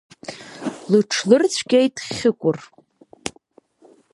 Лыҽлырцәгьеит Хьыкәыр.